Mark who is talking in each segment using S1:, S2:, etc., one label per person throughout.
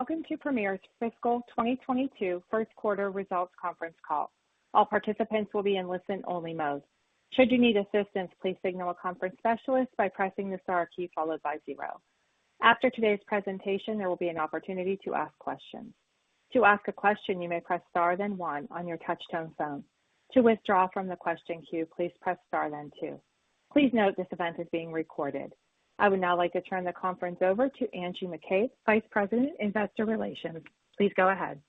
S1: Welcome to Premier's fiscal 2022 first quarter results conference call. All participants will be in listen only mode. Should you need assistance, please signal a conference specialist by pressing the star key followed by zero. After today's presentation, there will be an opportunity to ask questions. To ask a question, you may press star then one on your touchtone phone. To withdraw from the question queue, please press star then two. Please note this event is being recorded. I would now like to turn the conference over to Angie McCabe, Vice President, Investor Relations. Please go ahead.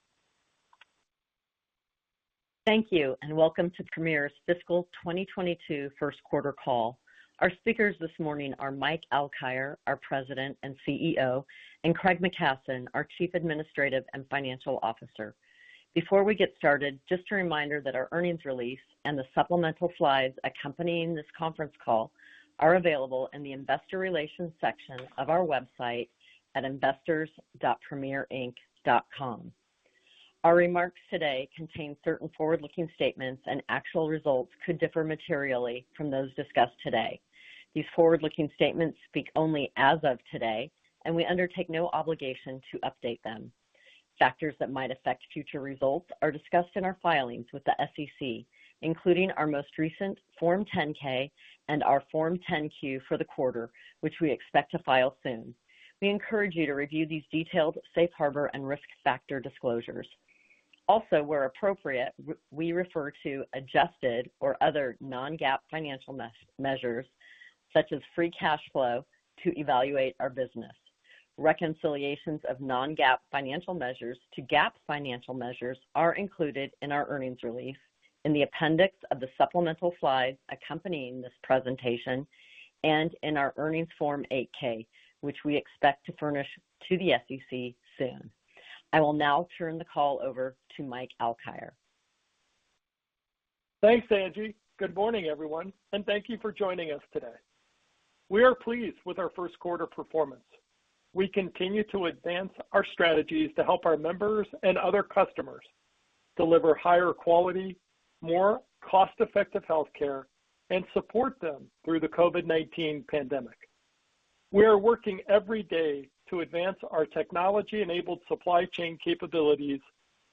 S2: Thank you, and welcome to Premier's fiscal 2022 first quarter call. Our speakers this morning are Mike Alkire, our President and CEO, and Craig McKasson, our Chief Administrative and Financial Officer. Before we get started, just a reminder that our earnings release and the supplemental slides accompanying this conference call are available in the investor relations section of our website at investors.premierinc.com. Our remarks today contain certain forward-looking statements, and actual results could differ materially from those discussed today. These forward-looking statements speak only as of today, and we undertake no obligation to update them. Factors that might affect future results are discussed in our filings with the SEC, including our most recent Form 10-K and our Form 10-Q for the quarter, which we expect to file soon. We encourage you to review these detailed safe harbor and risk factor disclosures. Also, where appropriate, we refer to adjusted or other non-GAAP financial measures such as free cash flow to evaluate our business. Reconciliations of non-GAAP financial measures to GAAP financial measures are included in our earnings release in the appendix of the supplemental slides accompanying this presentation and in our earnings Form 8-K, which we expect to furnish to the SEC soon. I will now turn the call over to Mike Alkire.
S3: Thanks, Angie. Good morning, everyone, and thank you for joining us today. We are pleased with our first quarter performance. We continue to advance our strategies to help our members and other customers deliver higher quality, more cost-effective healthcare and support them through the COVID-19 pandemic. We are working every day to advance our technology-enabled supply chain capabilities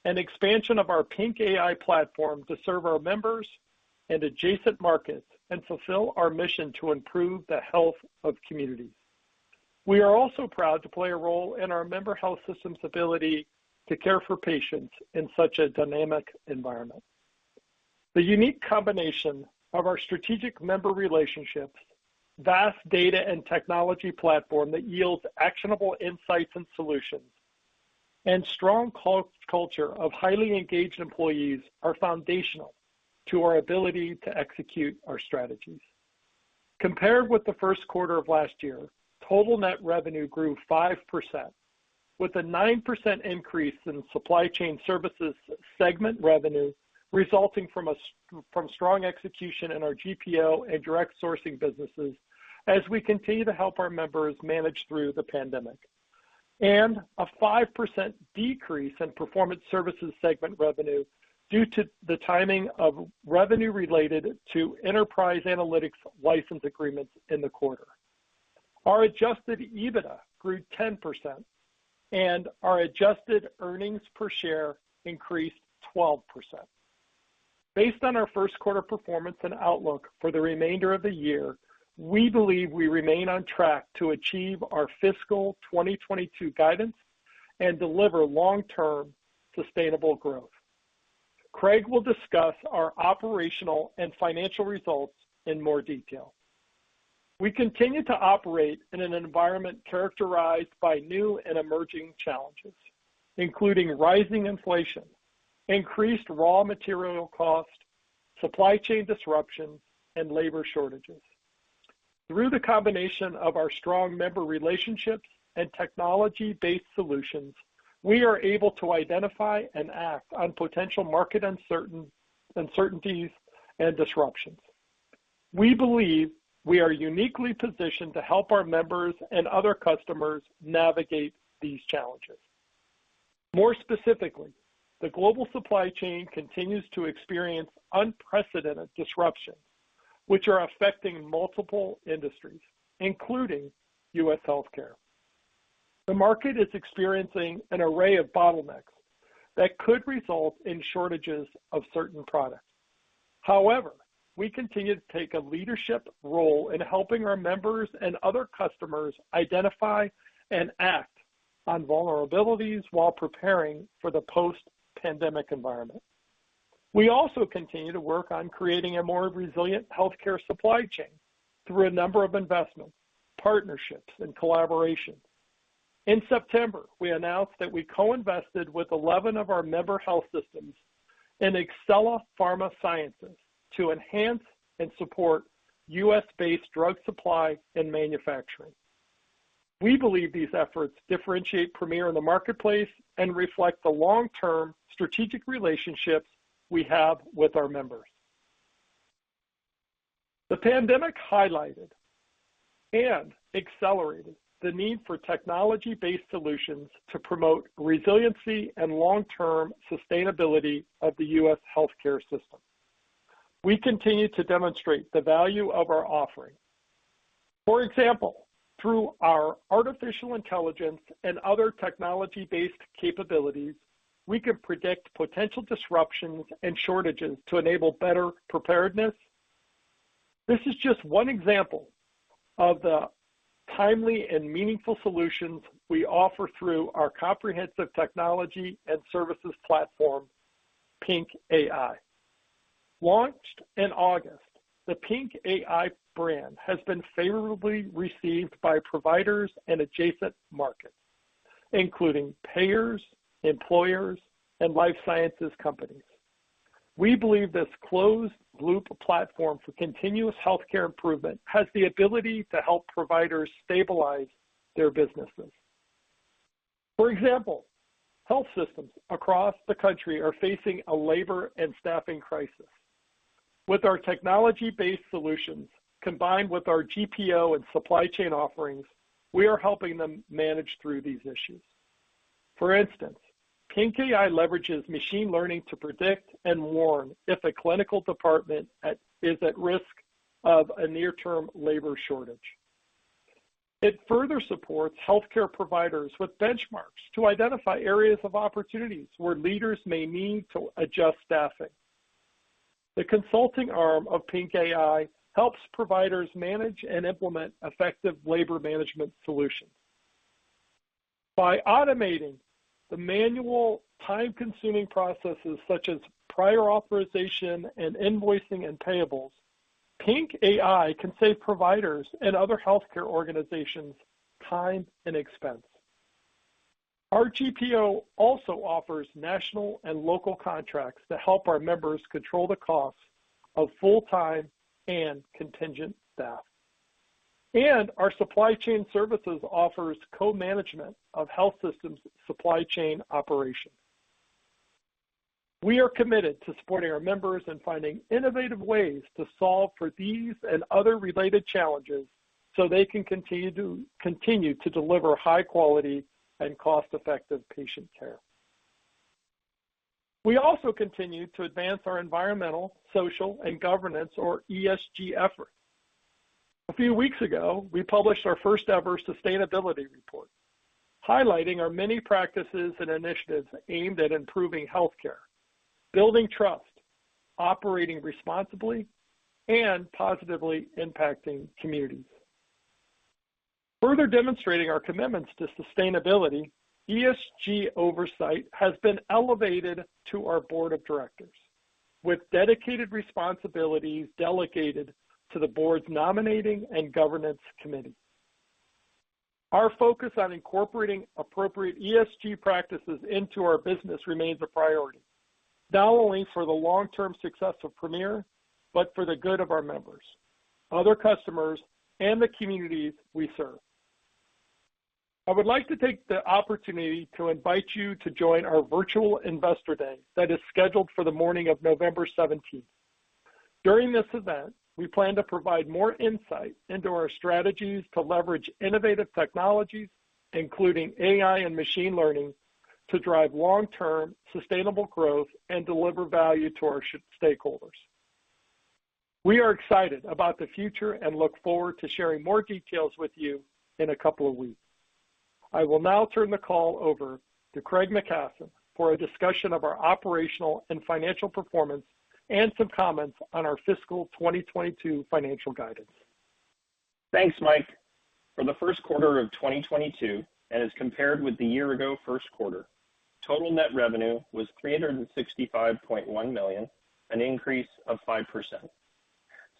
S3: and expansion of our PINC AI platform to serve our members and adjacent markets and fulfill our mission to improve the health of communities. We are also proud to play a role in our member health system's ability to care for patients in such a dynamic environment. The unique combination of our strategic member relationships, vast data and technology platform that yields actionable insights and solutions, and strong culture of highly engaged employees are foundational to our ability to execute our strategies. Compared with the first quarter of last year, total net revenue grew 5%, with a 9% increase in supply chain services segment revenue resulting from strong execution in our GPO and direct sourcing businesses as we continue to help our members manage through the pandemic, and a 5% decrease in performance services segment revenue due to the timing of revenue related to enterprise analytics license agreements in the quarter. Our adjusted EBITDA grew 10%, and our adjusted earnings per share increased 12%. Based on our first quarter performance and outlook for the remainder of the year, we believe we remain on track to achieve our fiscal 2022 guidance and deliver long-term sustainable growth. Craig will discuss our operational and financial results in more detail. We continue to operate in an environment characterized by new and emerging challenges, including rising inflation, increased raw material costs, supply chain disruptions, and labor shortages. Through the combination of our strong member relationships and technology-based solutions, we are able to identify and act on potential market uncertainties and disruptions. We believe we are uniquely positioned to help our members and other customers navigate these challenges. More specifically, the global supply chain continues to experience unprecedented disruptions which are affecting multiple industries, including U.S. healthcare. The market is experiencing an array of bottlenecks that could result in shortages of certain products. However, we continue to take a leadership role in helping our members and other customers identify and act on vulnerabilities while preparing for the post-pandemic environment. We also continue to work on creating a more resilient healthcare supply chain through a number of investments, partnerships, and collaborations. In September, we announced that we co-invested with eleven of our member health systems in Exela Pharma Sciences to enhance and support U.S.-based drug supply and manufacturing. We believe these efforts differentiate Premier in the marketplace and reflect the long-term strategic relationships we have with our members. The pandemic highlighted and accelerated the need for technology-based solutions to promote resiliency and long-term sustainability of the U.S. healthcare system. We continue to demonstrate the value of our offering. For example, through our artificial intelligence and other technology-based capabilities, we can predict potential disruptions and shortages to enable better preparedness. This is just one example of the timely and meaningful solutions we offer through our comprehensive technology and services platform, PINC AI. Launched in August, the PINC AI brand has been favorably received by providers and adjacent markets, including payers, employers, and life sciences companies. We believe this closed loop platform for continuous healthcare improvement has the ability to help providers stabilize their businesses. For example, health systems across the country are facing a labor and staffing crisis. With our technology-based solutions, combined with our GPO and supply chain offerings, we are helping them manage through these issues. For instance, PINC AI leverages machine learning to predict and warn if a clinical department is at risk of a near-term labor shortage. It further supports healthcare providers with benchmarks to identify areas of opportunities where leaders may need to adjust staffing. The consulting arm of PINC AI helps providers manage and implement effective labor management solutions. By automating the manual time-consuming processes such as prior authorization and invoicing and payables, PINC AI can save providers and other healthcare organizations time and expense. Our GPO also offers national and local contracts to help our members control the costs of full-time and contingent staff. Our supply chain services offers co-management of health systems supply chain operations. We are committed to supporting our members in finding innovative ways to solve for these and other related challenges, so they can continue to deliver high quality and cost-effective patient care. We also continue to advance our environmental, social, and governance or ESG efforts. A few weeks ago, we published our first ever sustainability report, highlighting our many practices and initiatives aimed at improving healthcare, building trust, operating responsibly, and positively impacting communities. Further demonstrating our commitments to sustainability, ESG oversight has been elevated to our board of directors with dedicated responsibilities delegated to the board's nominating and governance committee. Our focus on incorporating appropriate ESG practices into our business remains a priority, not only for the long-term success of Premier, but for the good of our members, other customers, and the communities we serve. I would like to take the opportunity to invite you to join our virtual investor day that is scheduled for the morning of November seventeenth. During this event, we plan to provide more insight into our strategies to leverage innovative technologies, including AI and machine learning, to drive long-term sustainable growth and deliver value to our stakeholders. We are excited about the future and look forward to sharing more details with you in a couple of weeks. I will now turn the call over to Craig McKasson for a discussion of our operational and financial performance and some comments on our fiscal 2022 financial guidance.
S4: Thanks, Mike. For the first quarter of 2022, and as compared with the year-ago first quarter, total net revenue was $365.1 million, an increase of 5%.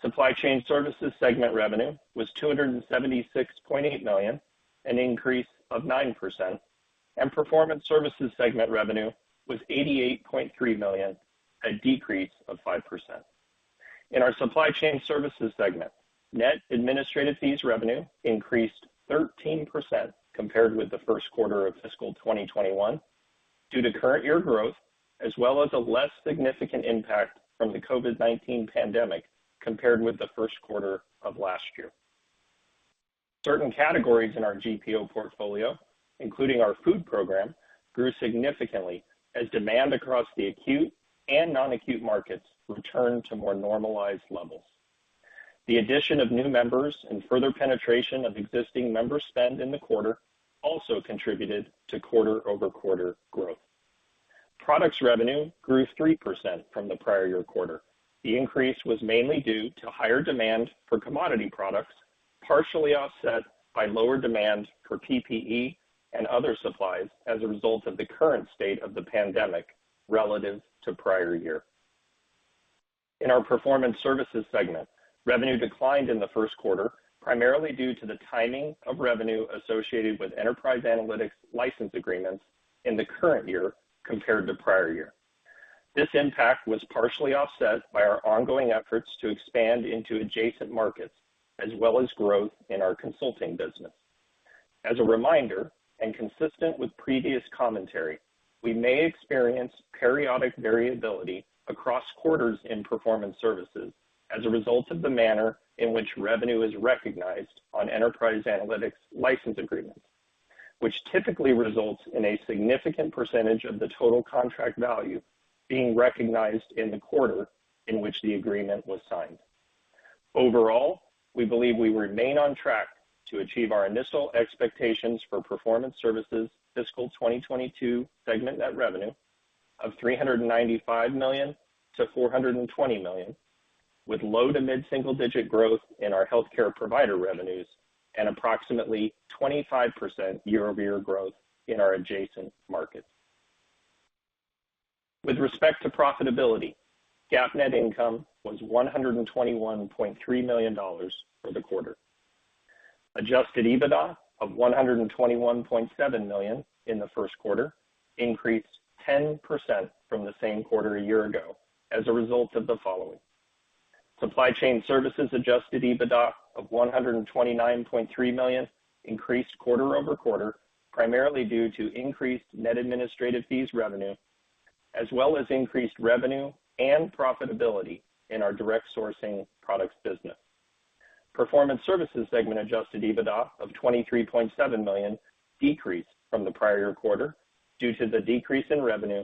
S4: Supply chain services segment revenue was $276.8 million, an increase of 9%, and performance services segment revenue was $88.3 million, a decrease of 5%. In our supply chain services segment, net administrative fees revenue increased 13% compared with the first quarter of fiscal 2021 due to current year growth, as well as a less significant impact from the COVID-19 pandemic compared with the first quarter of last year. Certain categories in our GPO portfolio, including our food program, grew significantly as demand across the acute and non-acute markets returned to more normalized levels. The addition of new members and further penetration of existing member spend in the quarter also contributed to quarter-over-quarter growth. Products revenue grew 3% from the prior year quarter. The increase was mainly due to higher demand for commodity products, partially offset by lower demand for PPE and other supplies as a result of the current state of the pandemic relative to prior year. In our Performance Services segment, revenue declined in the first quarter, primarily due to the timing of revenue associated with Enterprise Analytics license agreements in the current year compared to prior year. This impact was partially offset by our ongoing efforts to expand into adjacent markets, as well as growth in our consulting business. As a reminder, and consistent with previous commentary, we may experience periodic variability across quarters in Performance Services as a result of the manner in which revenue is recognized on Enterprise Analytics license agreements, which typically results in a significant percentage of the total contract value being recognized in the quarter in which the agreement was signed. Overall, we believe we remain on track to achieve our initial expectations for Performance Services fiscal 2022 segment net revenue of $395 million-$420 million, with low- to mid-single-digit growth in our healthcare provider revenues and approximately 25% year-over-year growth in our adjacent markets. With respect to profitability, GAAP net income was $121.3 million for the quarter. Adjusted EBITDA of $121.7 million in the first quarter increased 10% from the same quarter a year ago as a result of the following. Supply Chain Services adjusted EBITDA of $129.3 million increased quarter-over-quarter, primarily due to increased net administrative fees revenue, as well as increased revenue and profitability in our direct sourcing products business. Performance Services segment adjusted EBITDA of $23.7 million decreased from the prior-year quarter due to the decrease in revenue,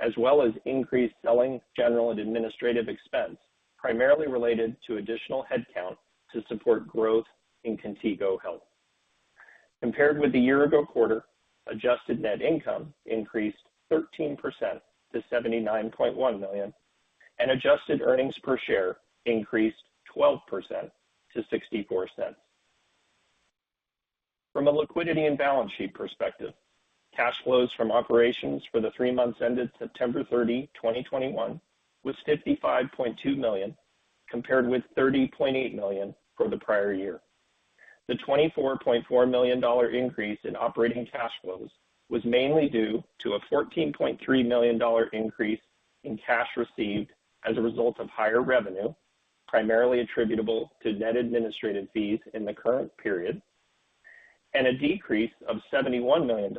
S4: as well as increased selling, general, and administrative expense, primarily related to additional headcount to support growth in Contigo Health. Compared with the year-ago quarter, adjusted net income increased 13% to $79.1 million, and adjusted earnings per share increased 12% to $0.64. From a liquidity and balance sheet perspective, cash flows from operations for the three months ended September 30, 2021 was $55.2 million, compared with $30.8 million for the prior year. The $24.4 million increase in operating cash flows was mainly due to a $14.3 million increase in cash received as a result of higher revenue, primarily attributable to net administrative fees in the current period, and a decrease of $71 million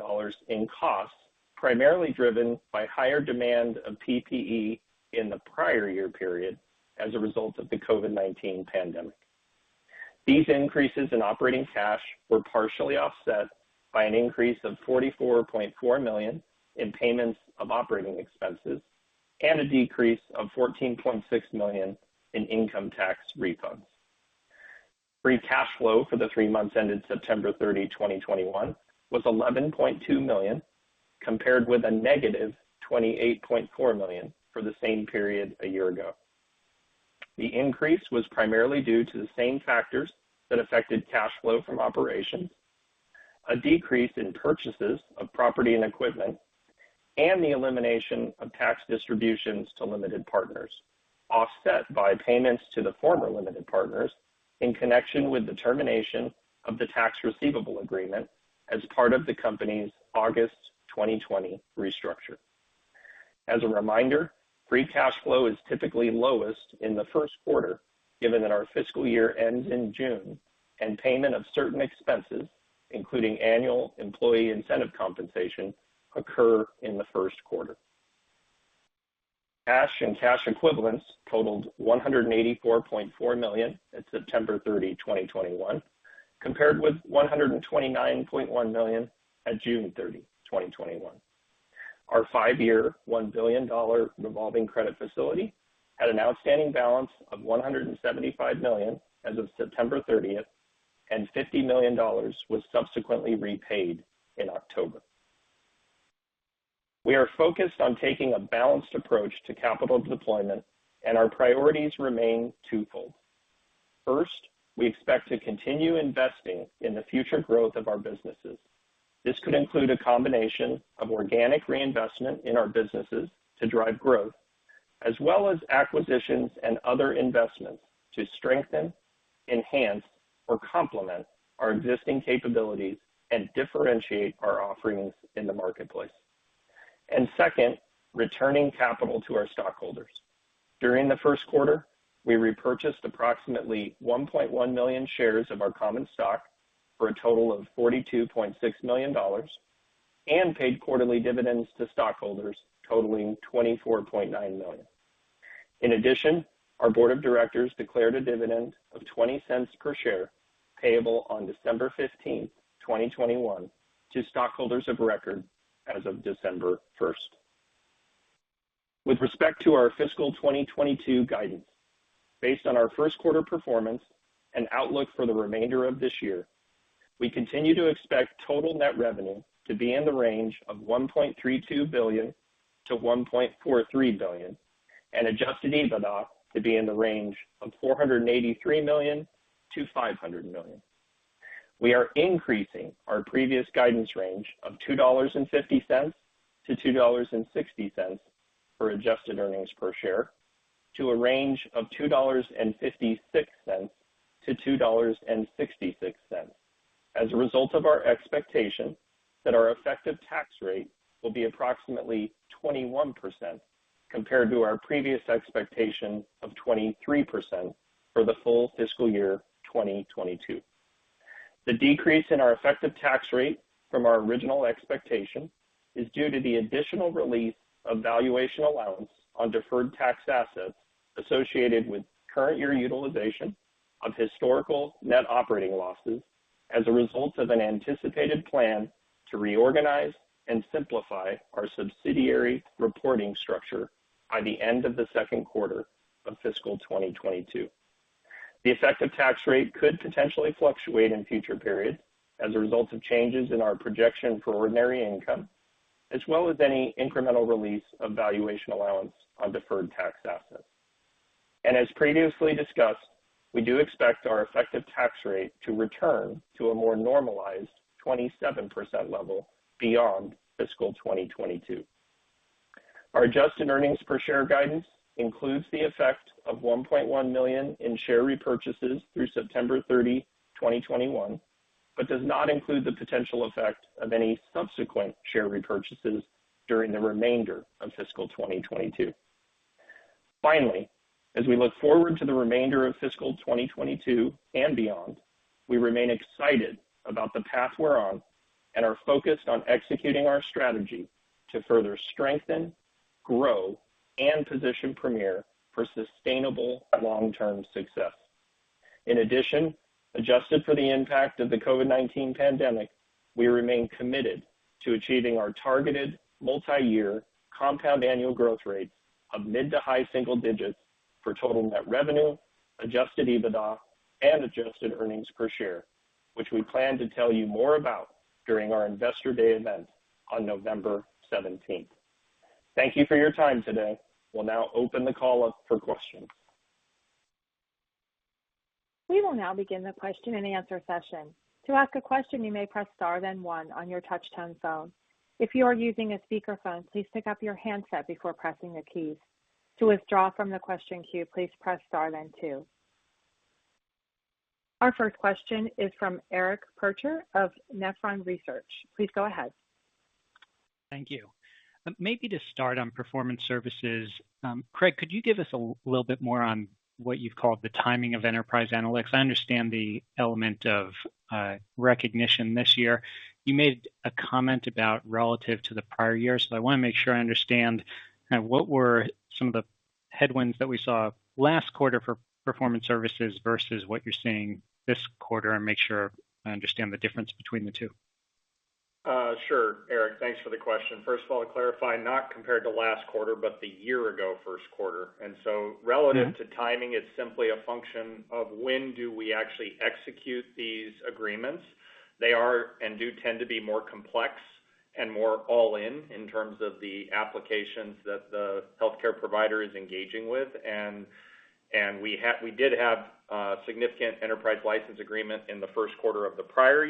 S4: in costs, primarily driven by higher demand of PPE in the prior year period as a result of the COVID-19 pandemic. These increases in operating cash were partially offset by an increase of $44.4 million in payments of operating expenses and a decrease of $14.6 million in income tax refunds. Free Cash Flow for the three months ended September 30, 2021 was $11.2 million, compared with -$28.4 million for the same period a year ago. The increase was primarily due to the same factors that affected cash flow from operations, a decrease in purchases of property and equipment, and the elimination of tax distributions to limited partners, offset by payments to the former limited partners in connection with the termination of the Tax Receivable Agreement as part of the company's August 2020 restructure. As a reminder, Free Cash Flow is typically lowest in the first quarter, given that our fiscal year ends in June and payment of certain expenses, including annual employee incentive compensation, occur in the first quarter. Cash and cash equivalents totaled $184.4 million at September 30, 2021, compared with $129.1 million at June 30, 2021. Our five-year, $1 billion revolving credit facility had an outstanding balance of $175 million as of September 30, and $50 million was subsequently repaid in October. We are focused on taking a balanced approach to capital deployment, and our priorities remain twofold. First, we expect to continue investing in the future growth of our businesses. This could include a combination of organic reinvestment in our businesses to drive growth, as well as acquisitions and other investments to strengthen, enhance, or complement our existing capabilities and differentiate our offerings in the marketplace. Second, returning capital to our stockholders. During the first quarter, we repurchased approximately 1.1 million shares of our common stock for a total of $42.6 million and paid quarterly dividends to stockholders totaling $24.9 million. In addition, our board of directors declared a dividend of $0.20 per share payable on December 15, 2021 to stockholders of record as of December 1. With respect to our fiscal 2022 guidance, based on our first quarter performance and outlook for the remainder of this year, we continue to expect total net revenue to be in the range of $1.32 billion-$1.43 billion and adjusted EBITDA to be in the range of $483 million-$500 million. We are increasing our previous guidance range of $2.50-$2.60 for adjusted earnings per share to a range of $2.56-$2.66 as a result of our expectation that our effective tax rate will be approximately 21% compared to our previous expectation of 23% for the full fiscal year 2022. The decrease in our effective tax rate from our original expectation is due to the additional release of valuation allowance on deferred tax assets associated with current year utilization of historical net operating losses as a result of an anticipated plan to reorganize and simplify our subsidiary reporting structure by the end of the second quarter of fiscal 2022. The effective tax rate could potentially fluctuate in future periods as a result of changes in our projection for ordinary income, as well as any incremental release of valuation allowance on deferred tax assets. As previously discussed, we do expect our effective tax rate to return to a more normalized 27% level beyond fiscal 2022. Our adjusted earnings per share guidance includes the effect of 1.1 million in share repurchases through September 30, 2021, but does not include the potential effect of any subsequent share repurchases during the remainder of fiscal 2022. Finally, as we look forward to the remainder of fiscal 2022 and beyond, we remain excited about the path we're on and are focused on executing our strategy to further strengthen, grow, and position Premier for sustainable long-term success. In addition, adjusted for the impact of the COVID-19 pandemic, we remain committed to achieving our targeted multi-year compound annual growth rate of mid- to high-single-digits for total net revenue, adjusted EBITDA, and adjusted earnings per share, which we plan to tell you more about during our Investor Day event on November seventeenth. Thank you for your time today. We'll now open the call up for questions.
S1: We will now begin the question and answer session. To ask a question, you may press Star, then one on your touch-tone phone. If you are using a speakerphone, please pick up your handset before pressing the keys. To withdraw from the question queue, please press Star then two. Our first question is from Eric Percher of Nephron Research. Please go ahead.
S5: Thank you. Maybe to start on Performance Services, Craig, could you give us a little bit more on what you've called the timing of Enterprise Analytics? I understand the element of recognition this year. You made a comment about relative to the prior year, so I wanna make sure I understand kind of what were some of the headwinds that we saw last quarter for Performance Services versus what you're seeing this quarter and make sure I understand the difference between the two.
S4: Sure, Eric. Thanks for the question. First of all, to clarify, not compared to last quarter, but the year-ago first quarter.
S5: Mm-hmm
S4: relative to timing, it's simply a function of when do we actually execute these agreements. They are and do tend to be more complex and more all in in terms of the applications that the healthcare provider is engaging with. We did have significant enterprise license agreement in the first quarter of the prior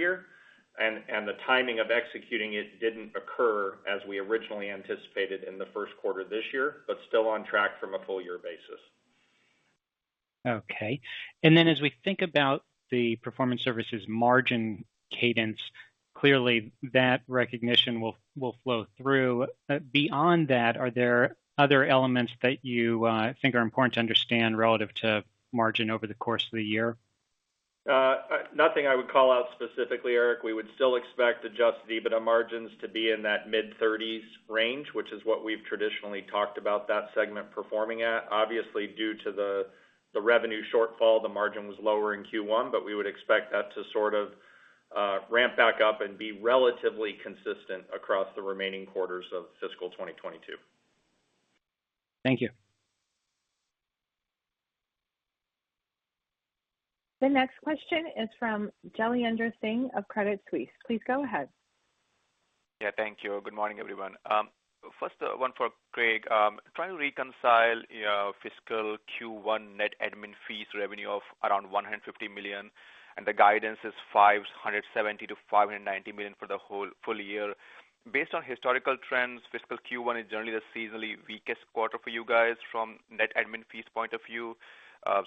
S4: year, and the timing of executing it didn't occur as we originally anticipated in the first quarter this year, but still on track from a full year basis.
S5: Okay. Then as we think about the performance services margin cadence, clearly that recognition will flow through. Beyond that, are there other elements that you think are important to understand relative to margin over the course of the year?
S4: Nothing I would call out specifically, Eric. We would still expect adjusted EBITDA margins to be in that mid-30s% range, which is what we've traditionally talked about that segment performing at. Obviously, due to the revenue shortfall, the margin was lower in Q1, but we would expect that to sort of ramp back up and be relatively consistent across the remaining quarters of fiscal 2022.
S5: Thank you.
S1: The next question is from Jailendra Singh of Credit Suisse. Please go ahead.
S6: Yeah, thank you. Good morning, everyone. First, one for Craig. Trying to reconcile your fiscal Q1 net admin fees revenue of around $150 million, and the guidance is $570 million-$590 million for the whole full year. Based on historical trends, fiscal Q1 is generally the seasonally weakest quarter for you guys from net admin fees point of view,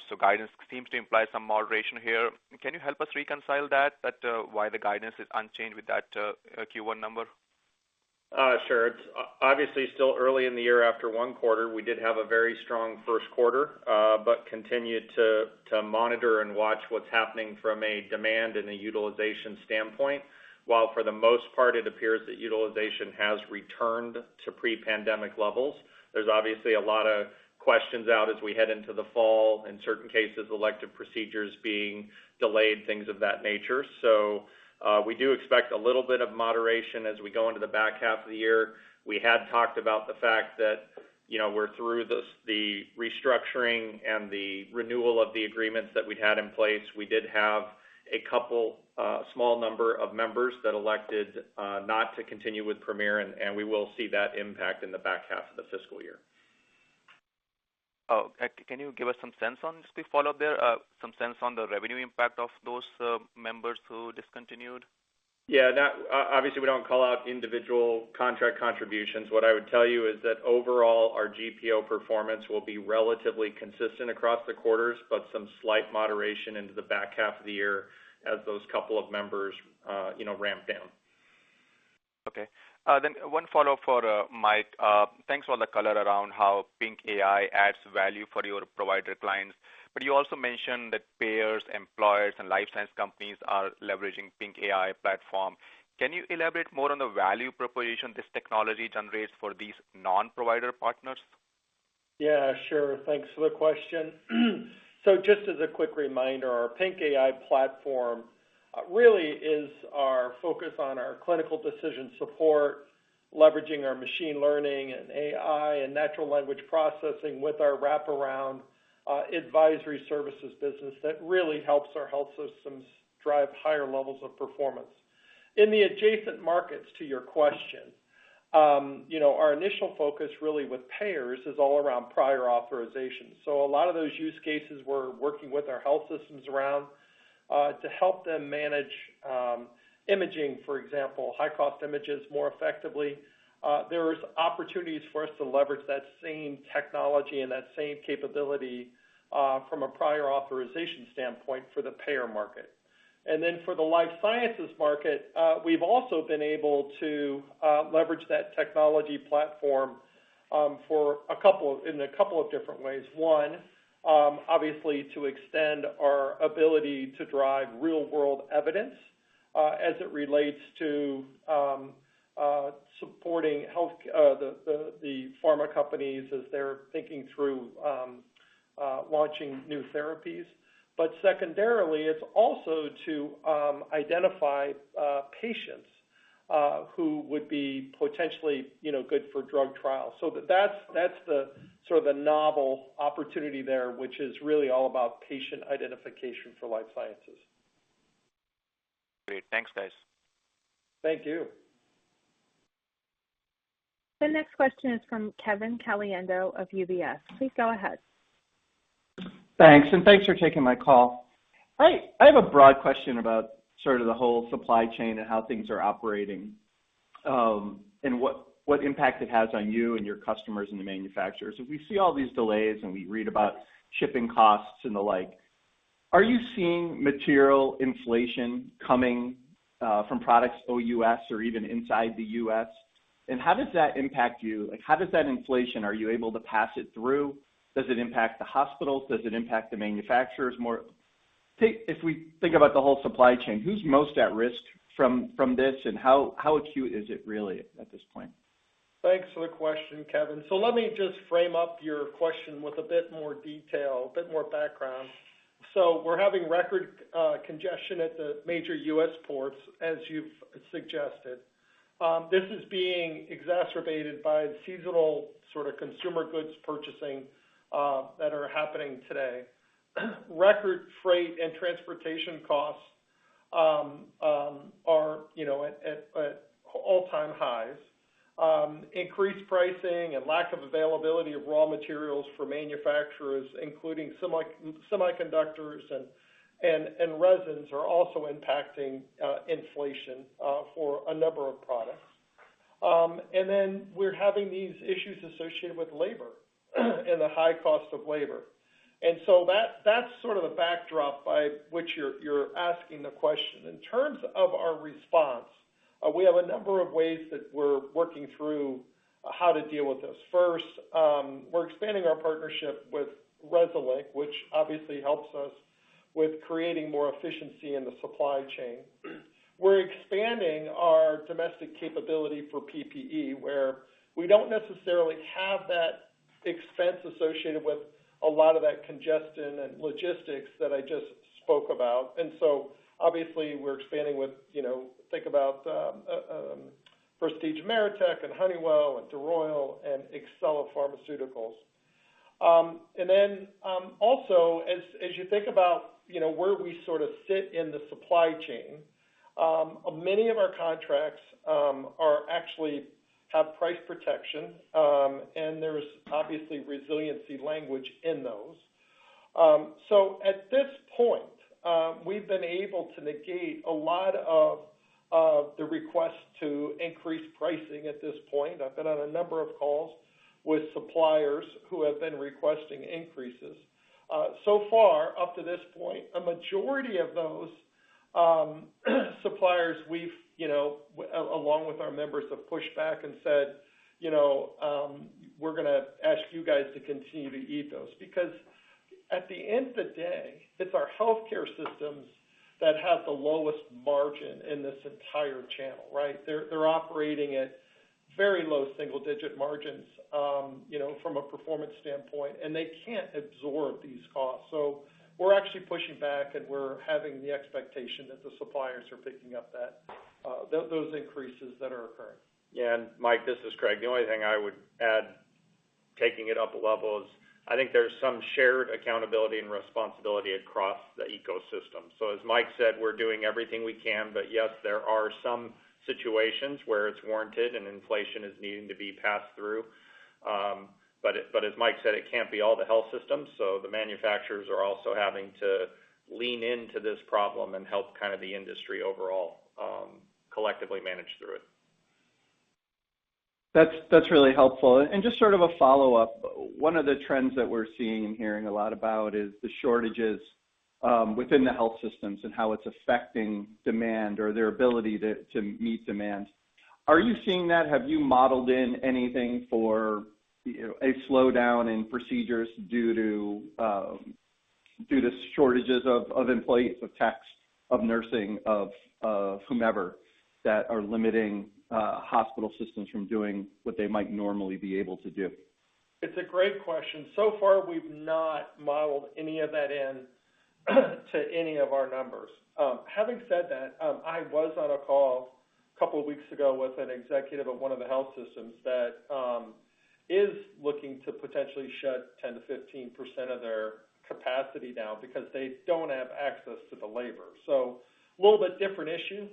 S6: so guidance seems to imply some moderation here. Can you help us reconcile that, why the guidance is unchanged with that Q1 number?
S4: Sure. It's obviously still early in the year after one quarter. We did have a very strong first quarter, but continued to monitor and watch what's happening from a demand and a utilization standpoint. While for the most part, it appears that utilization has returned to pre-pandemic levels, there's obviously a lot of questions out as we head into the fall, in certain cases, elective procedures being delayed, things of that nature. We do expect a little bit of moderation as we go into the back half of the year. We had talked about the fact that, you know, we're through this, the restructuring and the renewal of the agreements that we'd had in place. We did have a couple small number of members that elected not to continue with Premier, and we will see that impact in the back half of the fiscal year.
S6: Oh, can you give us some sense on just to follow up there, some sense on the revenue impact of those members who discontinued?
S4: Yeah. Now, obviously, we don't call out individual contract contributions. What I would tell you is that overall, our GPO performance will be relatively consistent across the quarters, but some slight moderation into the back half of the year as those couple of members, you know, ramp down.
S6: Okay, one follow-up for Mike. Thanks for all the color around how PINC AI adds value for your provider clients. You also mentioned that payers, employers, and life science companies are leveraging PINC AI platform. Can you elaborate more on the value proposition this technology generates for these non-provider partners?
S3: Yeah, sure. Thanks for the question. Just as a quick reminder, our PINC AI platform really is our focus on our clinical decision support, leveraging our machine learning and AI and natural language processing with our wraparound advisory services business that really helps our health systems drive higher levels of performance. In the adjacent markets, to your question, you know, our initial focus really with payers is all around prior authorizations. A lot of those use cases we're working with our health systems around to help them manage imaging, for example, high-cost images more effectively. There's opportunities for us to leverage that same technology and that same capability from a prior authorization standpoint for the payer market. Then for the life sciences market, we've also been able to leverage that technology platform in a couple of different ways. One, obviously to extend our ability to drive Real-world evidence as it relates to supporting the pharma companies as they're thinking through launching new therapies. Secondarily, it's also to identify patients who would be potentially, you know, good for drug trials. That's the sort of novel opportunity there, which is really all about patient identification for life sciences.
S6: Great. Thanks, guys.
S3: Thank you.
S1: The next question is from Kevin Caliendo of UBS. Please go ahead.
S7: Thanks, and thanks for taking my call. I have a broad question about sort of the whole supply chain and how things are operating, and what impact it has on you and your customers and the manufacturers. As we see all these delays and we read about shipping costs and the like, are you seeing material inflation coming from products OUS or even inside the U.S.? And how does that impact you? Like, how does that inflation? Are you able to pass it through? Does it impact the hospitals? Does it impact the manufacturers more? If we think about the whole supply chain, who's most at risk from this, and how acute is it really at this point?
S3: Thanks for the question, Kevin. Let me just frame up your question with a bit more detail, a bit more background. We're having record congestion at the major U.S. ports, as you've suggested. This is being exacerbated by the seasonal sort of consumer goods purchasing that are happening today. Record freight and transportation costs are, you know, at all-time highs. Increased pricing and lack of availability of raw materials for manufacturers, including semiconductors and resins, are also impacting inflation for a number of products. Then we're having these issues associated with labor and the high cost of labor. That's sort of the backdrop by which you're asking the question. In terms of our response, we have a number of ways that we're working through how to deal with this. First, we're expanding our partnership with Resilinc, which obviously helps us with creating more efficiency in the supply chain. We're expanding our domestic capability for PPE, where we don't necessarily have that expense associated with a lot of that congestion and logistics that I just spoke about. Obviously, we're expanding with, you know, Prestige Ameritech and Honeywell and DeRoyal and Exela Pharma Sciences. You think about, you know, where we sort of sit in the supply chain, many of our contracts are actually have price protection, and there's obviously resiliency language in those. At this point, we've been able to negate a lot of the requests to increase pricing at this point. I've been on a number of calls with suppliers who have been requesting increases. So far, up to this point, a majority of those suppliers we've, you know, along with our members, have pushed back and said, you know, "We're gonna ask you guys to continue to eat those." Because at the end of the day, it's our healthcare systems that have the lowest margin in this entire channel, right? They're operating at very low single-digit margins, you know, from a performance standpoint, and they can't absorb these costs. We're actually pushing back, and we're having the expectation that the suppliers are picking up that those increases that are occurring.
S4: Yeah. Mike, this is Craig. The only thing I would add, taking it up a level is, I think there's some shared accountability and responsibility across the ecosystem. As Mike said, we're doing everything we can, but yes, there are some situations where it's warranted and inflation is needing to be passed through. As Mike said, it can't be all the health systems, so the manufacturers are also having to lean into this problem and help kind of the industry overall, collectively manage through it.
S7: That's really helpful. Just sort of a follow-up, one of the trends that we're seeing and hearing a lot about is the shortages within the health systems and how it's affecting demand or their ability to meet demand. Are you seeing that? Have you modeled in anything for a slowdown in procedures due to shortages of employees, of techs, of nursing, of whomever that are limiting hospital systems from doing what they might normally be able to do.
S3: It's a great question. So far, we've not modeled any of that into any of our numbers. Having said that, I was on a call a couple of weeks ago with an executive of one of the health systems that is looking to potentially shed 10%-15% of their capacity now because they don't have access to the labor. A little bit different issue,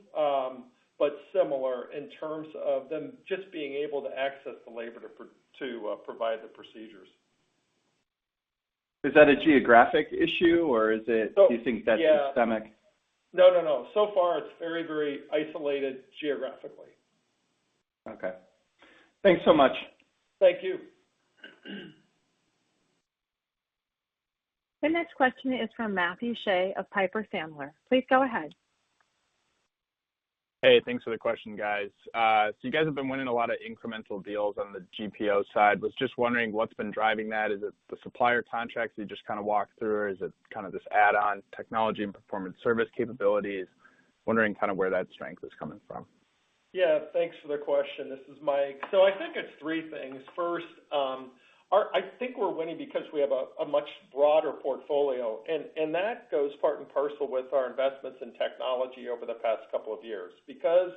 S3: but similar in terms of them just being able to access the labor to provide the procedures.
S7: Is that a geographic issue or is it?
S3: No.
S7: Do you think that's?
S3: Yeah
S7: -systemic?
S3: No, no. So far it's very, very isolated geographically.
S7: Okay. Thanks so much.
S3: Thank you.
S1: The next question is from Matthew Shea of Piper Sandler. Please go ahead.
S8: Hey, thanks for the question, guys. So you guys have been winning a lot of incremental deals on the GPO side. Was just wondering what's been driving that. Is it the supplier contracts you just kind of walked through, or is it kind of this add-on technology and performance service capabilities? Wondering kind of where that strength is coming from.
S3: Yeah, thanks for the question. This is Mike. I think it's three things. First, I think we're winning because we have a much broader portfolio, and that goes part and parcel with our investments in technology over the past couple of years. Because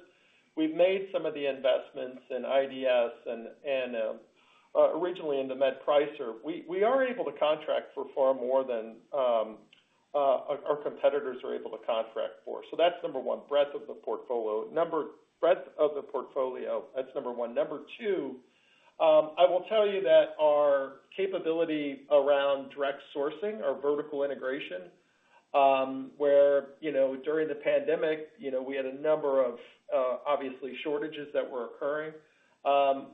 S3: we've made some of the investments in IDS and originally in the Medpricer, we are able to contract for far more than our competitors are able to contract for. That's number one, breadth of the portfolio. Number two, I will tell you that our capability around direct sourcing or vertical integration, where you know, during the pandemic, you know, we had a number of obviously shortages that were occurring.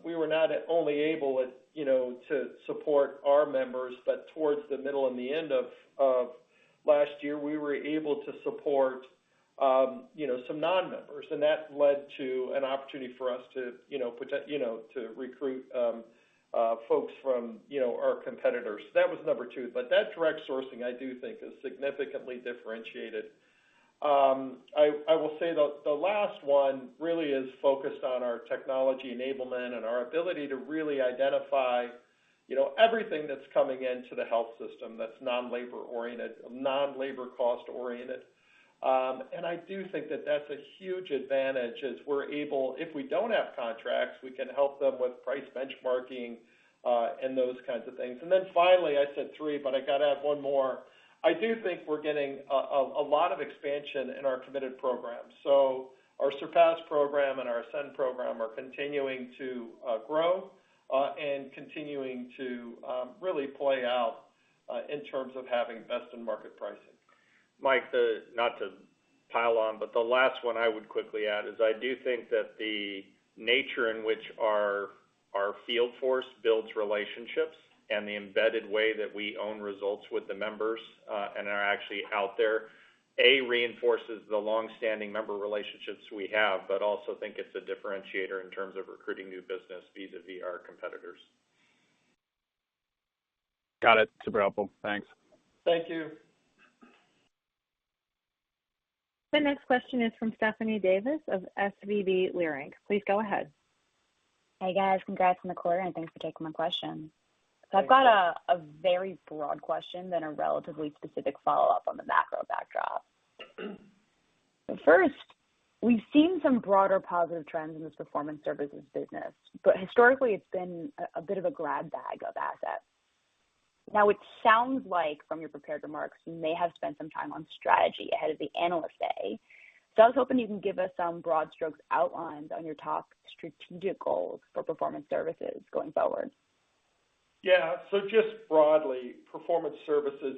S3: We were not only able, you know, to support our members, but towards the middle and the end of last year, we were able to support, you know, some non-members, and that led to an opportunity for us to, you know, protect, you know, to recruit, folks from, you know, our competitors. That was number two. That direct sourcing, I do think, is significantly differentiated. I will say the last one really is focused on our technology enablement and our ability to really identify, you know, everything that's coming into the health system that's non-labor-oriented, non-labor cost-oriented. I do think that that's a huge advantage as we're able, if we don't have contracts, we can help them with price benchmarking, and those kinds of things. Finally, I said three, but I got to add one more. I do think we're getting a lot of expansion in our committed programs. Our SURPASS program and our ASCEND program are continuing to grow and continuing to really play out in terms of having best in market pricing.
S4: Mike, not to pile on, but the last one I would quickly add is I do think that the nature in which our field force builds relationships and the embedded way that we own results with the members and are actually out there reinforces the long-standing member relationships we have, but also think it's a differentiator in terms of recruiting new business vis-à-vis our competitors.
S8: Got it. Super helpful. Thanks.
S3: Thank you.
S1: The next question is from Stephanie Davis of SVB Securities. Please go ahead.
S9: Hey, guys. Congrats on the quarter, and thanks for taking my question.
S3: Thank you.
S9: I've got a very broad question, then a relatively specific follow-up on the macro backdrop. First, we've seen some broader positive trends in this Performance Services business, but historically it's been a bit of a grab bag of assets. Now it sounds like from your prepared remarks, you may have spent some time on strategy ahead of the Analyst Day. I was hoping you can give us some broad strokes outlines on your top strategic goals for Performance Services going forward.
S3: Yeah. Just broadly, performance services.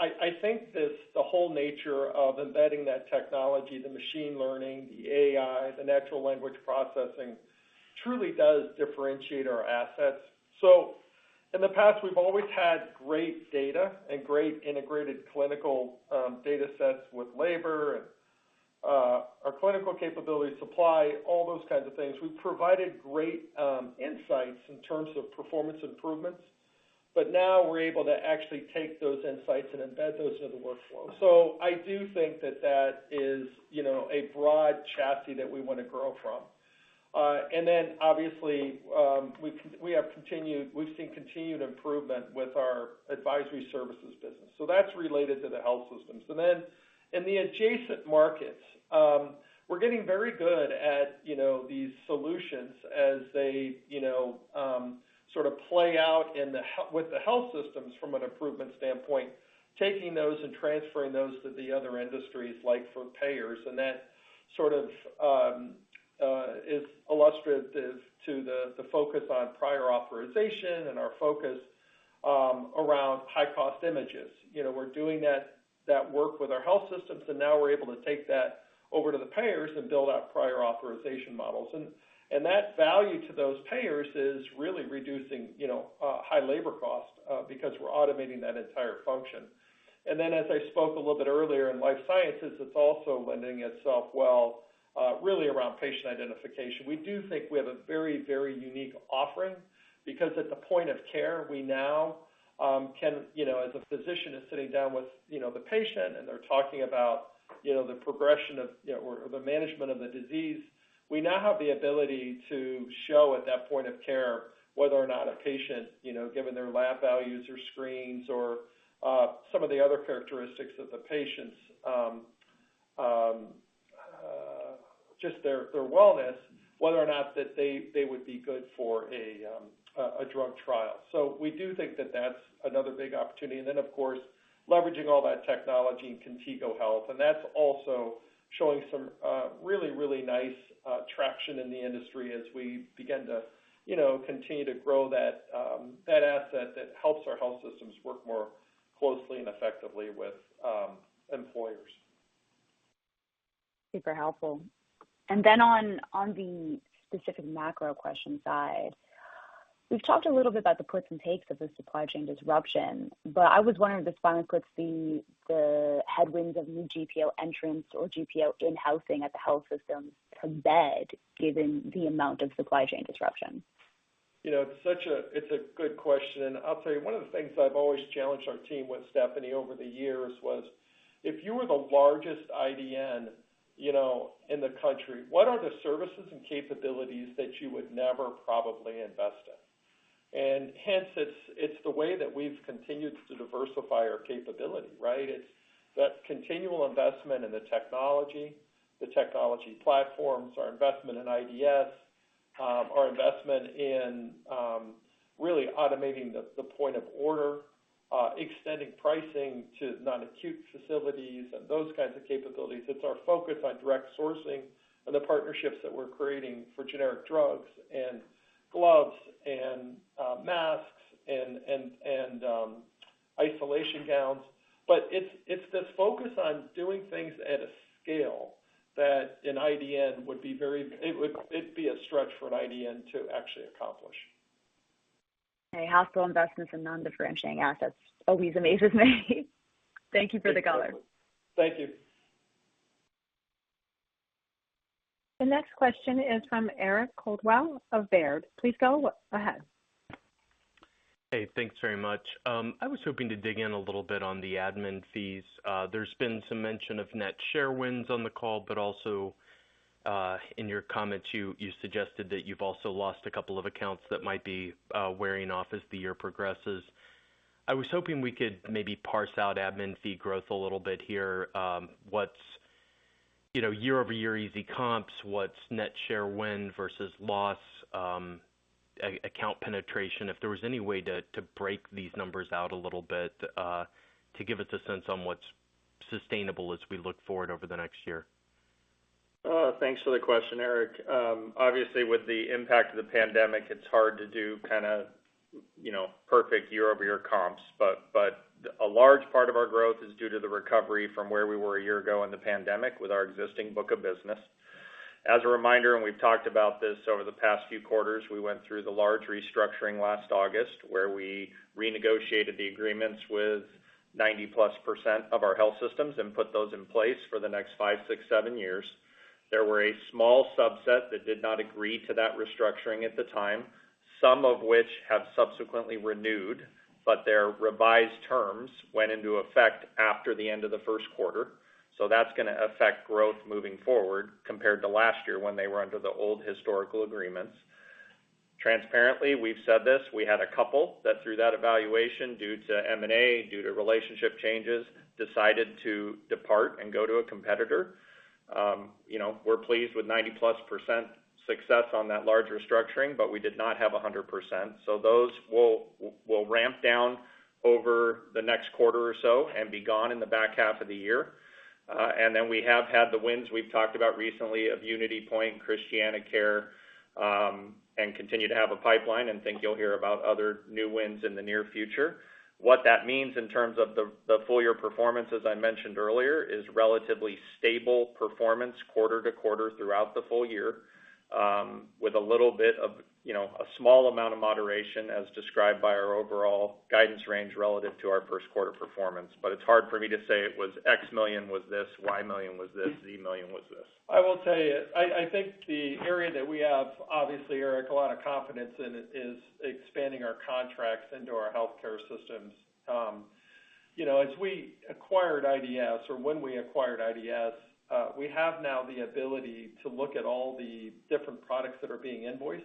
S3: I think this, the whole nature of embedding that technology, the machine learning, the AI, the natural language processing, truly does differentiate our assets. In the past, we've always had great data and great integrated clinical data sets with labor and our clinical capability, supply, all those kinds of things. We've provided great insights in terms of performance improvements, but now we're able to actually take those insights and embed those into the workflow. I do think that that is, you know, a broad chassis that we wanna grow from. And then obviously, we've seen continued improvement with our advisory services business. That's related to the health systems. In the adjacent markets, we're getting very good at, you know, these solutions as they, you know, sort of play out with the health systems from an improvement standpoint, taking those and transferring those to the other industries, like for payers. That sort of is illustrative to the focus on prior authorization and our focus around high-cost imaging. You know, we're doing that work with our health systems, and now we're able to take that over to the payers and build out prior authorization models. That value to those payers is really reducing, you know, high labor costs because we're automating that entire function. As I spoke a little bit earlier in life sciences, it's also lending itself well really around patient identification. We do think we have a very, very unique offering because at the point of care, we now can, you know, as a physician is sitting down with, you know, the patient and they're talking about, you know, the progression of, you know, or the management of the disease, we now have the ability to show at that point of care whether or not a patient, you know, given their lab values or screens or some of the other characteristics of the patients, just their wellness, whether or not that they would be good for a drug trial. So we do think that that's another big opportunity. Of course, leveraging all that technology in Contigo Health, and that's also showing some really nice traction in the industry as we begin to, you know, continue to grow that asset that helps our health systems work more closely and effectively with employers.
S9: Super helpful. On the specific macro question side, we've talked a little bit about the puts and takes of the supply chain disruption, but I was wondering if this finally puts the headwinds of new GPO entrants or GPO in-housing at the health systems to bed given the amount of supply chain disruption?
S3: You know, it's a good question. I'll tell you, one of the things I've always challenged our team with Stephanie over the years was, if you were the largest IDN, you know, in the country, what are the services and capabilities that you would never probably invest in? Hence, it's the way that we've continued to diversify our capability, right? It's that continual investment in the technology, the technology platforms, our investment in IDS, our investment in really automating the point of order, extending pricing to non-acute facilities and those kinds of capabilities. It's our focus on direct sourcing and the partnerships that we're creating for generic drugs and gloves and masks and isolation gowns. It's the focus on doing things at a scale that it'd be a stretch for an IDN to actually accomplish.
S9: Okay. Hospital investments and non-differentiating assets always amazes me. Thank you for the color.
S3: Thank you.
S1: The next question is from Eric Coldwell of Baird. Please go ahead.
S10: Hey, thanks very much. I was hoping to dig in a little bit on the admin fees. There's been some mention of net share wins on the call, but also, in your comments, you suggested that you've also lost a couple of accounts that might be wearing off as the year progresses. I was hoping we could maybe parse out admin fee growth a little bit here. What's, you know, year-over-year easy comps, what's net share win versus loss, account penetration, if there was any way to break these numbers out a little bit, to give us a sense on what's sustainable as we look forward over the next year.
S4: Thanks for the question, Eric. Obviously with the impact of the pandemic, it's hard to do kinda, you know, perfect year-over-year comps. A large part of our growth is due to the recovery from where we were a year ago in the pandemic with our existing book of business. As a reminder, and we've talked about this over the past few quarters, we went through the large restructuring last August, where we renegotiated the agreements with 90% of our health systems and put those in place for the next five, six, seven years. There were a small subset that did not agree to that restructuring at the time, some of which have subsequently renewed, but their revised terms went into effect after the end of the first quarter. That's gonna affect growth moving forward compared to last year when they were under the old historical agreements. Transparently, we've said this, we had a couple that through that evaluation, due to M&A, due to relationship changes, decided to depart and go to a competitor. You know, we're pleased with 90%+ success on that large restructuring, but we did not have 100%. Those will ramp down over the next quarter or so and be gone in the back half of the year. We have had the wins we've talked about recently of UnityPoint, ChristianaCare, and continue to have a pipeline and think you'll hear about other new wins in the near future. What that means in terms of the full year performance, as I mentioned earlier, is relatively stable performance quarter to quarter throughout the full year, with a little bit of, you know, a small amount of moderation as described by our overall guidance range relative to our first quarter performance. It's hard for me to say it was X million was this, Y million was this, Z million was this.
S3: I will tell you, I think the area that we have, obviously, Eric, a lot of confidence in is expanding our contracts into our healthcare systems. You know, as we acquired IDS or when we acquired IDS, we have now the ability to look at all the different products that are being invoiced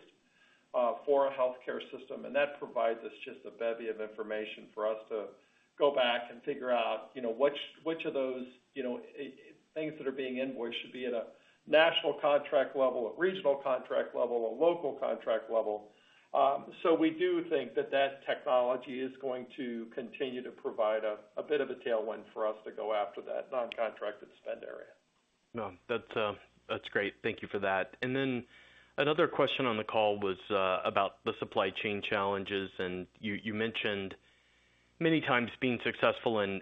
S3: for a healthcare system, and that provides us just a bevy of information for us to go back and figure out, you know, which of those, you know, things that are being invoiced should be at a national contract level, a regional contract level, a local contract level. We do think that that technology is going to continue to provide a bit of a tailwind for us to go after that non-contracted spend area.
S10: No, that's great. Thank you for that. Another question on the call was about the supply chain challenges, and you mentioned many times being successful in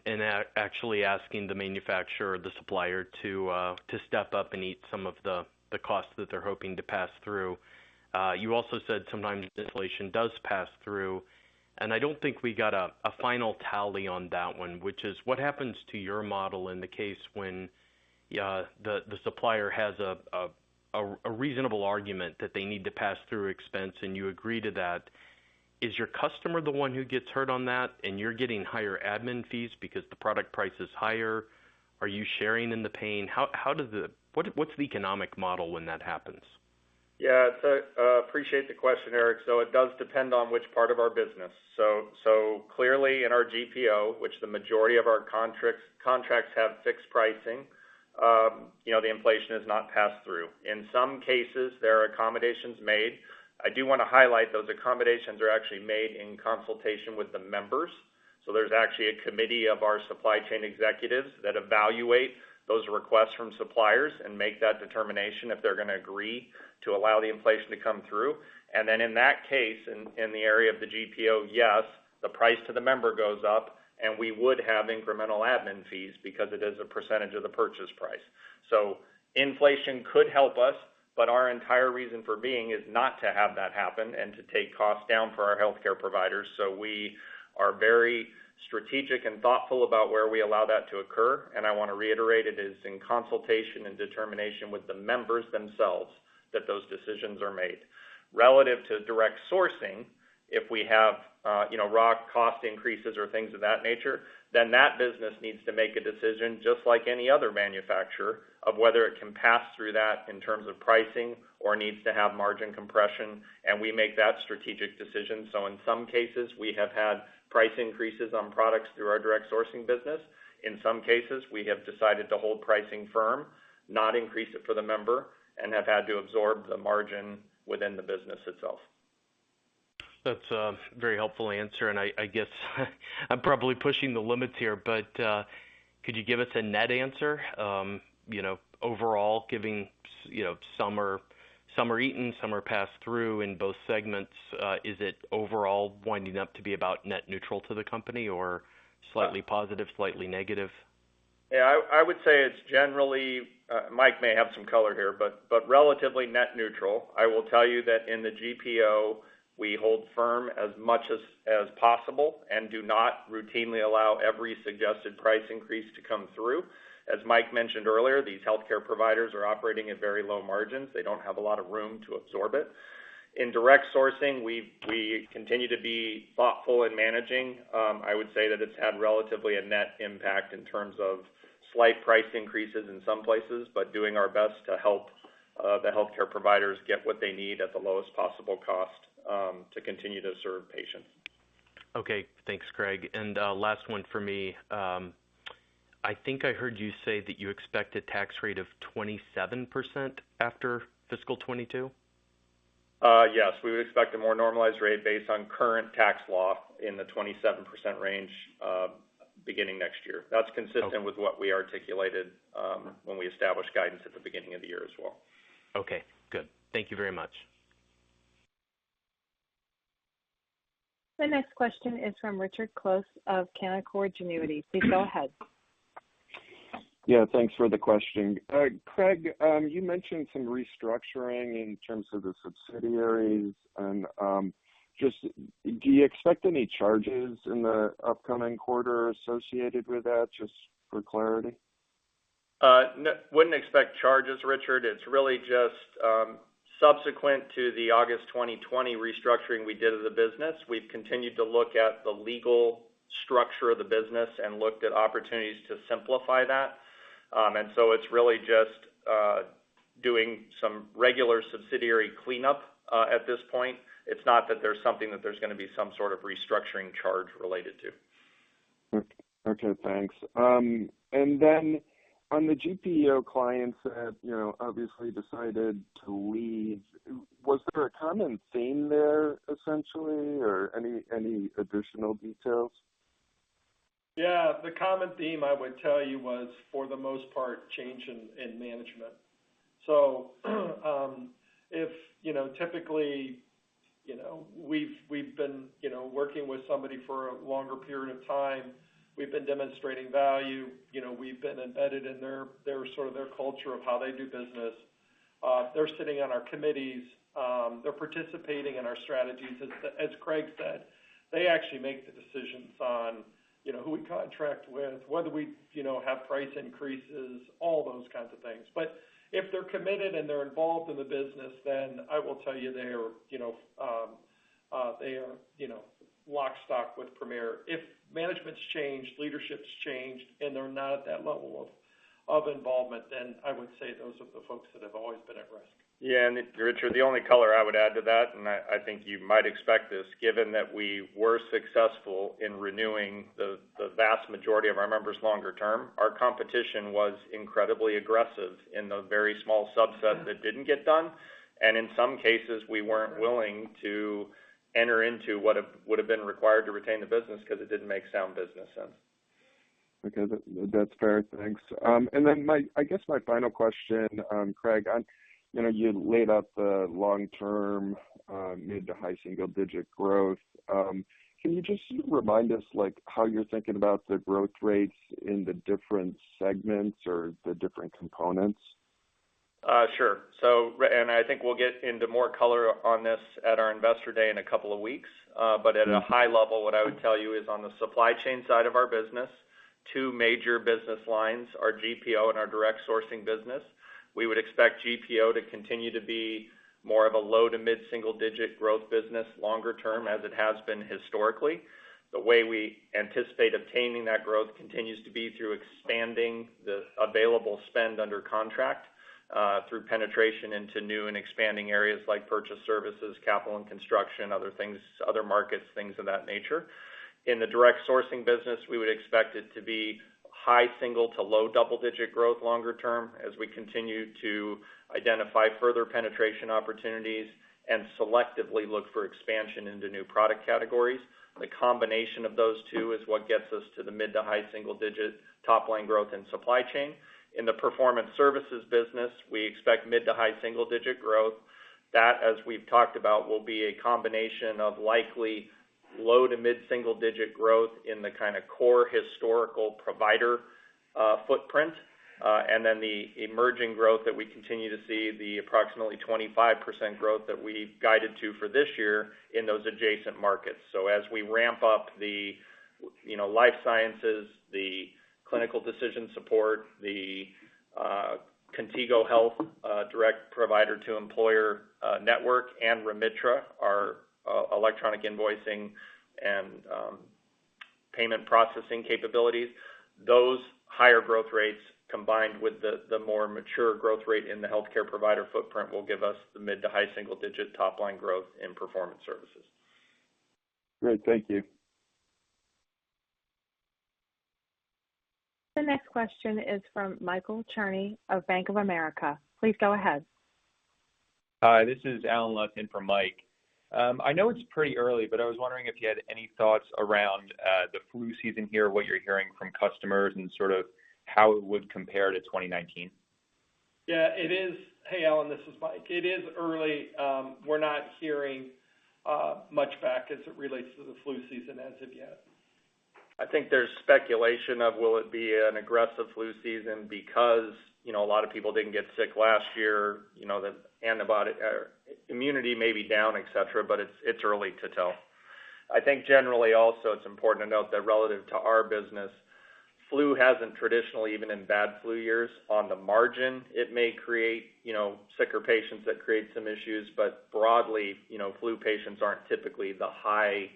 S10: actually asking the manufacturer or the supplier to step up and eat some of the costs that they're hoping to pass through. You also said sometimes inflation does pass through, and I don't think we got a final tally on that one, which is what happens to your model in the case when Yeah, the supplier has a reasonable argument that they need to pass through expense, and you agree to that. Is your customer the one who gets hurt on that, and you're getting higher admin fees because the product price is higher? Are you sharing in the pain? What's the economic model when that happens?
S4: Yeah. Appreciate the question, Eric. It does depend on which part of our business. Clearly in our GPO, which the majority of our contracts have fixed pricing, you know, the inflation is not passed through. In some cases, there are accommodations made. I do wanna highlight those accommodations are actually made in consultation with the members. There's actually a committee of our supply chain executives that evaluate those requests from suppliers and make that determination if they're gonna agree to allow the inflation to come through. In that case, in the area of the GPO, yes, the price to the member goes up, and we would have incremental admin fees because it is a percentage of the purchase price. Inflation could help us, but our entire reason for being is not to have that happen and to take costs down for our healthcare providers. We are very strategic and thoughtful about where we allow that to occur. I wanna reiterate, it is in consultation and determination with the members themselves that those decisions are made. Relative to direct sourcing, if we have, you know, raw cost increases or things of that nature, then that business needs to make a decision just like any other manufacturer of whether it can pass through that in terms of pricing or needs to have margin compression, and we make that strategic decision. In some cases, we have had price increases on products through our direct sourcing business. In some cases, we have decided to hold pricing firm, not increase it for the member, and have had to absorb the margin within the business itself.
S10: That's a very helpful answer, and I guess I'm probably pushing the limits here, but could you give us a net answer, you know, overall giving, you know, some are eaten, some are passed through in both segments. Is it overall winding up to be about net neutral to the company or slightly positive, slightly negative?
S4: Yeah, I would say it's generally, Mike may have some color here, but relatively net neutral. I will tell you that in the GPO, we hold firm as much as possible and do not routinely allow every suggested price increase to come through. As Mike mentioned earlier, these healthcare providers are operating at very low margins. They don't have a lot of room to absorb it. In direct sourcing, we continue to be thoughtful in managing. I would say that it's had relatively a net impact in terms of slight price increases in some places, but doing our best to help the healthcare providers get what they need at the lowest possible cost to continue to serve patients.
S10: Okay, thanks, Craig. Last one for me. I think I heard you say that you expect a tax rate of 27% after fiscal 2022?
S4: Yes. We would expect a more normalized rate based on current tax law in the 27% range, beginning next year.
S10: Okay.
S4: That's consistent with what we articulated, when we established guidance at the beginning of the year as well.
S10: Okay, good. Thank you very much.
S1: The next question is from Richard Close of Canaccord Genuity. Please go ahead.
S11: Yeah, thanks for the question. Craig, you mentioned some restructuring in terms of the subsidiaries and, just do you expect any charges in the upcoming quarter associated with that, just for clarity?
S4: No. Wouldn't expect charges, Richard. It's really just subsequent to the August 2020 restructuring we did of the business. We've continued to look at the legal structure of the business and looked at opportunities to simplify that. It's really just doing some regular subsidiary cleanup at this point. It's not that there's something that's gonna be some sort of restructuring charge related to.
S11: Okay, thanks. On the GPO clients that, you know, obviously decided to leave, was there a common theme there essentially, or any additional details?
S3: Yeah. The common theme I would tell you was for the most part, change in management. If you know, typically, you know, we've been, you know, working with somebody for a longer period of time. We've been demonstrating value. You know, we've been embedded in their sort of culture of how they do business. They're sitting on our committees. They're participating in our strategies. As Craig said, they actually make the decisions on, you know, who we contract with, whether we, you know, have price increases, all those kinds of things. But if they're committed and they're involved in the business, then I will tell you they are, you know, lock stock with Premier. If management's changed, leadership's changed, and they're not at that level of involvement, then I would say those are the folks that have always been at risk.
S4: Yeah. Richard, the only color I would add to that, and I think you might expect this, given that we were successful in renewing the vast majority of our members longer term, our competition was incredibly aggressive in the very small subset that didn't get done. In some cases, we weren't willing to enter into what would have been required to retain the business 'cause it didn't make sound business sense.
S11: Okay. That's fair. Thanks. I guess my final question, Craig, you know, you laid out the long-term, mid- to high-single-digit growth. Can you just remind us, like, how you're thinking about the growth rates in the different segments or the different components?
S4: Sure. I think we'll get into more color on this at our investor day in a couple of weeks. At a high level, what I would tell you is on the supply chain side of our business, two major business lines are GPO and our direct sourcing business. We would expect GPO to continue to be more of a low- to mid-single-digit growth business longer term, as it has been historically. The way we anticipate obtaining that growth continues to be through expanding the available spend under contract, through penetration into new and expanding areas like purchase services, capital and construction, other things, other markets, things of that nature. In the direct sourcing business, we would expect it to be high-single- to low double-digit growth longer term as we continue to identify further penetration opportunities and selectively look for expansion into new product categories. The combination of those two is what gets us to the mid- to high single-digit top-line growth in supply chain. In the performance services business, we expect mid- to high single-digit growth. That, as we've talked about, will be a combination of likely low- to mid-single-digit growth in the kinda core historical provider footprint, and then the emerging growth that we continue to see, the approximately 25% growth that we guided to for this year in those adjacent markets. As we ramp up the, you know, life sciences, the clinical decision support, Contigo Health, direct provider to employer network, and Remitra, our electronic invoicing and payment processing capabilities, those higher growth rates, combined with the more mature growth rate in the healthcare provider footprint, will give us the mid- to high-single-digit top line growth in Performance Services.
S11: Great. Thank you.
S1: The next question is from Michael Cherny of Bank of America. Please go ahead.
S12: Hi, this is Allen Lutz for Mike. I know it's pretty early, but I was wondering if you had any thoughts around the flu season here, what you're hearing from customers, and sort of how it would compare to 2019.
S3: Yeah, it is. Hey, Allen, this is Mike. It is early. We're not hearing much back as it relates to the flu season as of yet. I think there's speculation of will it be an aggressive flu season because, you know, a lot of people didn't get sick last year. You know, the antibiotics or immunity may be down, et cetera, but it's early to tell. I think generally also it's important to note that relative to our business, flu hasn't traditionally, even in bad flu years, on the margin, it may create, you know, sicker patients that create some issues, but broadly, you know, flu patients aren't typically the high,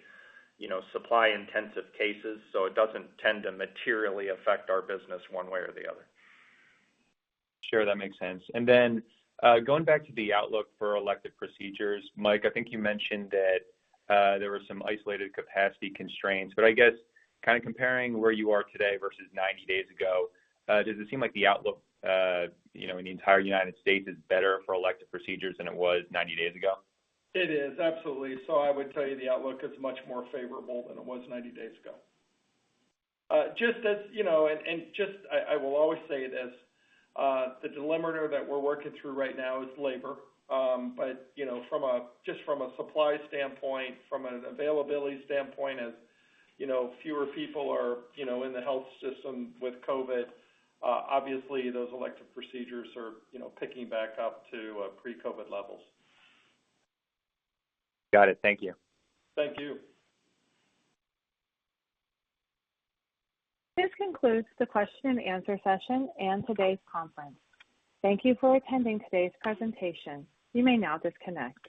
S3: you know, supply intensive cases, so it doesn't tend to materially affect our business one way or the other.
S12: Sure, that makes sense. Going back to the outlook for elective procedures, Mike, I think you mentioned that there were some isolated capacity constraints, but I guess kinda comparing where you are today versus 90 days ago, does it seem like the outlook, you know, in the entire United States is better for elective procedures than it was 90 days ago?
S9: It is absolutely. I would tell you the outlook is much more favorable than it was 90 days ago. Just as you know, I will always say it as the dilemma that we're working through right now is labor. You know, just from a supply standpoint, from an availability standpoint, as you know, fewer people are, you know, in the health system with COVID. Obviously those elective procedures are, you know, picking back up to pre-COVID levels.
S12: Got it. Thank you.
S4: Thank you.
S1: This concludes the question and answer session and today's conference. Thank you for attending today's presentation. You may now disconnect.